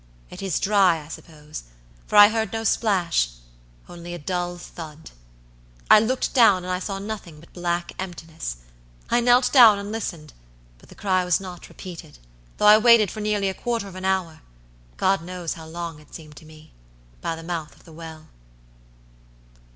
It is dry, I suppose, for I heard no splash, only a dull thud. I looked down and I saw nothing but black emptiness. I knelt down and listened, but the cry was not repeated, though I waited for nearly a quarter of an hourGod knows how long it seemed to me!by the mouth of the well."